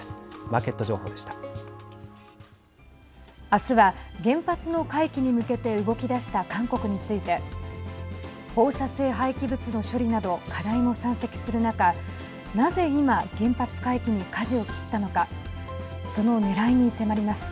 あすは原発の回帰に向けて動き出した韓国について放射性廃棄物の処理など課題も山積する中なぜ今原発回帰にかじを切ったのかそのねらいに迫ります。